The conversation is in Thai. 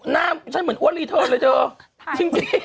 หน้าฉันเหมือนอ้วนเลยเธอ